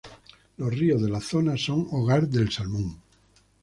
Los ríos de la zona son hogar de salmón.